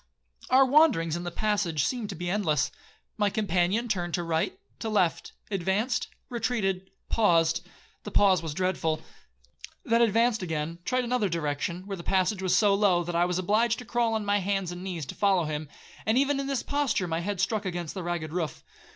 'Our wanderings in the passage seemed to be endless. My companion turned to right, to left,—advanced, retreated, paused,—(the pause was dreadful)!—Then advanced again, tried another direction, where the passage was so low that I was obliged to crawl on my hands and knees to follow him, and even in this posture my head struck against the ragged roof.